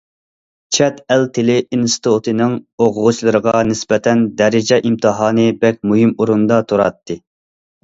چەت ئەل تىلى ئىنستىتۇتىنىڭ ئوقۇغۇچىلىرىغا نىسبەتەن دەرىجە ئىمتىھانى بەك مۇھىم ئورۇندا تۇراتتى.